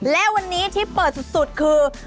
และวันนี้ที่เปิดสุดคือ